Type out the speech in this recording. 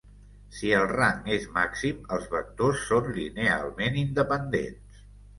Si el rang és màxim, els vectors són linealment independents.